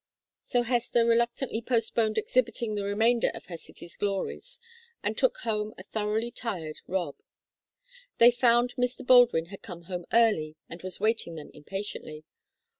So Hester reluctantly postponed exhibiting the remainder of her city's glories, and took home a thoroughly tired Rob. They found Mr. Baldwin had come home early, and was waiting them impatiently.